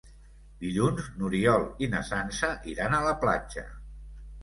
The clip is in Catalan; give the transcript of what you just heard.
Dilluns n'Oriol i na Sança iran a la platja.